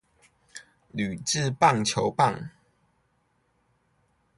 鋁製棒球棒